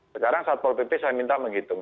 sekarang satpol pp saya minta menghitung